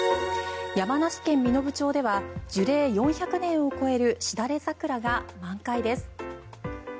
山梨県身延町では樹齢４００年を超えるシダレザクラが満開です。